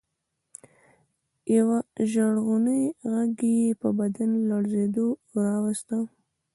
يوه ژړغوني غږ يې پر بدن لړزه راوسته.